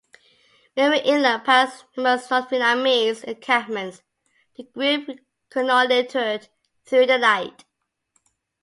Moving inland past numerous North Vietnamese encampments, the group reconnoitered through the night.